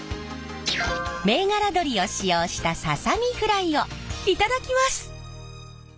銘柄鶏を使用したささみフライを頂きます。